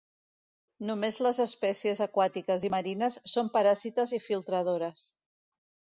Només les espècies aquàtiques i marines són paràsites i filtradores.